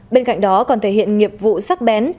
bên cạnh đó còn thể hiện nghiệp vụ sắc bén